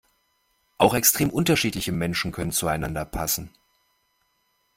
Auch extrem unterschiedliche Menschen können zueinander passen.